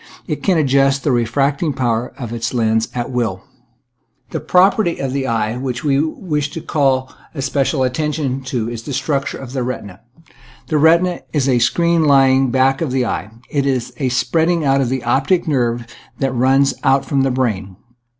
It can adjust the refracting power of its lens at wilL The property of the eye that we wish to call especial attention to is the structure of the retina. The retina is the screen lying back of the eye, and is a spreading out of the optic nerve that runs out from the brain.